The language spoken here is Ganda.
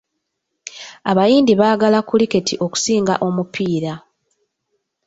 Abayindi baagala kuliketi okusinga omupiira.